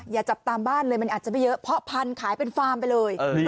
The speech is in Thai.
อย่าจับตามบ้านเลยมันอาจจะไม่เยอะเพราะพันธุ์ขายเป็นฟาร์มไปเลย